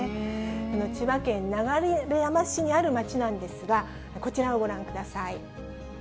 千葉県流山市にある街なんですが、こちらをご覧ください。